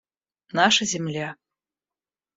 Наша земля.